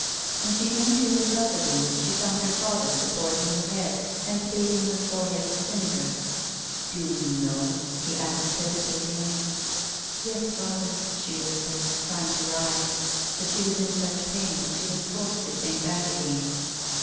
When she came to herself again she found her father supporting her head, and bathing her forehead with vinegar. " Do you know — 1 " he asked hesitatingly. " Yes, father," she whispered, trying to rise ; but she was in such pain that she was forced to sink back again.